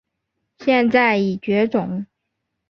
现在已绝种。